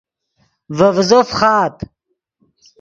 ڤے ڤیزو فخآت